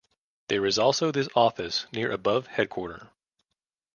There is also this office near above headquarter.